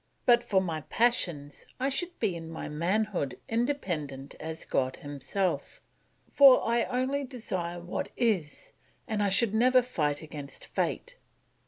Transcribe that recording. But for my passions, I should be in my manhood independent as God himself, for I only desire what is and I should never fight against fate.